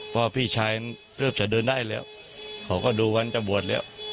พอพี่ชายเริ่มจะเดินได้แล้วเขาก็ดูวันจะบวชแล้ว